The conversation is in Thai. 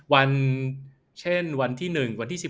วันเช่นวันที่๑วันที่๑